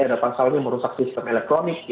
ada pasalnya merusak sistem elektronik